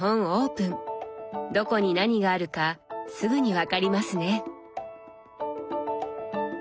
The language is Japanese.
どこに何があるかすぐに分かりますね。